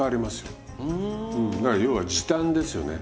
だから要は時短ですよね。